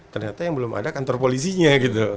ternyata yang belum ada kantor polisinya gitu